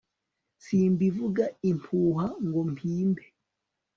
simbivuga impuha ngo mpimbe